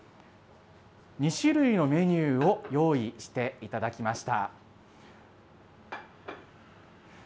２種類のメニューを用意していただきました。